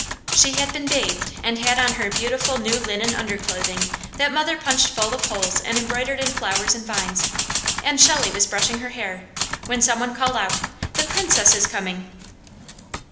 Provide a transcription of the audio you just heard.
She had been bathed and had on her beautiful new linen underclothing that mother punched full of holes and embroidered in flowers and vines, and Shelley was brushing her hair when some one called out: "The Princess is coming!"